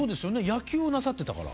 野球をなさってたから。